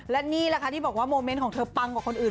และนี่แหละค่ะที่บอกว่าโมเมนต์ของเธอปังกว่าคนอื่น